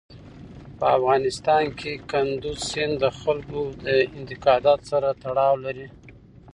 په افغانستان کې کندز سیند د خلکو د اعتقاداتو سره تړاو لري.